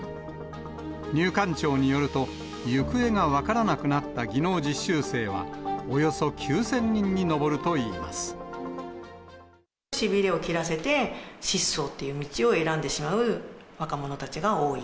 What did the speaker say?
入管庁によると、行方が分からなくなった技能実習生は、およそ９０００人に上るとしびれを切らせて、失踪っていう道を選んでしまう若者たちが多い。